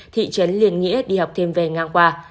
thị trấn liên nghĩa đi học thêm về ngang quà